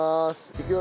いくよ。